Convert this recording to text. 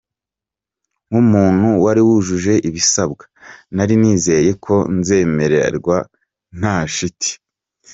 Nk’umuntu wari wujuje ibisabwa nari nizeye ko nzemererwa nta shiti.